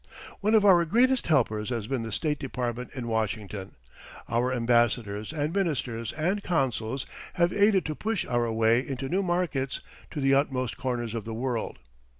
One of our greatest helpers has been the State Department in Washington. Our ambassadors and ministers and consuls have aided to push our way into new markets to the utmost corners of the world.